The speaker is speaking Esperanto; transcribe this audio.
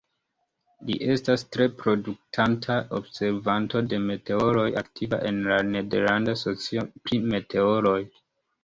Li estas tre produktanta observanto de meteoroj, aktiva en la Nederlanda Socio pri Meteoroj.